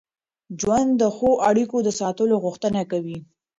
ژوند د ښو اړیکو د ساتلو غوښتنه کوي.